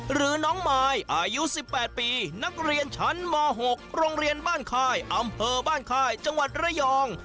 หรือน้องมายอายุ๑๘ปีนักเรียนชั้นม๖โรงเรียนบ้านค่ายอำเภอบ้านค่ายจังหวัดระยอง